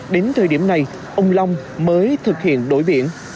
đến thời điểm này ông long mới thực hiện đổi biển